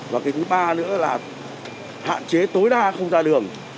và cái thứ ba nữa là hạn chế tối đa không ra đường